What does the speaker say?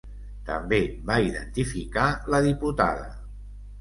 També va identificar la diputada.